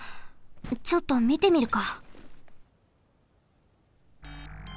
ちょっとみてみるか。